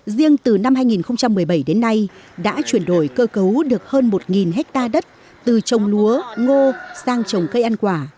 riêng từ năm hai nghìn một mươi bảy đến nay đã chuyển đổi cơ cấu được hơn một hectare đất từ trồng lúa ngô sang trồng cây ăn quả